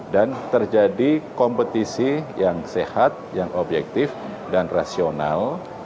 dan terjadi kompetisi yang sehat yang objektif dan rasional